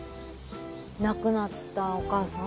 亡くなったお母さん？